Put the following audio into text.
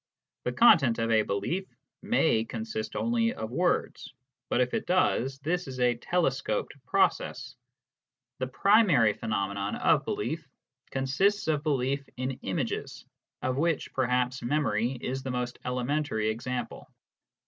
The content of a belief may consist only of words, but if it does, this is a telescoped process. The primary phe HOW PROPOSITIONS MEAN. 29 nomenon of belief consists of belief in images, of which, perhaps, memory is the most elementary example.